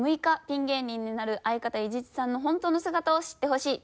ピン芸人になる相方伊地知さんの本当の姿を知ってほしい」。